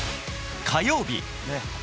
火曜日。